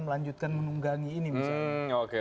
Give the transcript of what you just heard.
melanjutkan menunggangi ini misalnya